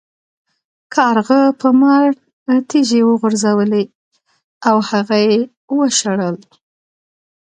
کارغه په مار تیږې وغورځولې او هغه یې وشړل.